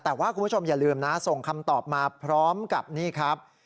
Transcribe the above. แต่ว่าคุณผู้ชมอย่าลืมนะส่งคำตอบมาพร้อมกับนี่ครับ